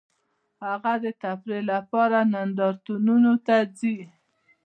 هغه د تفریح لپاره نندارتونونو ته ځي